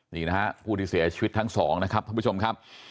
นี่นะฮะผู้ที่เสียชีวิตทั้งสองนะครับท่านผู้ชมครับ